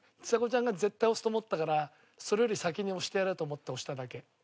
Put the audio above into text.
ちさ子ちゃんが絶対押すと思ったからそれより先に押してやろうと思って押しただけ。